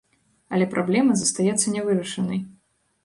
Але праблема застаецца нявырашанай.